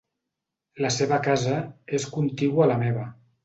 La seva casa és contigua a la meva.